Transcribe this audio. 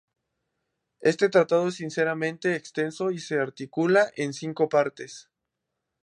Este tratado es ciertamente extenso y se articula en cinco partes.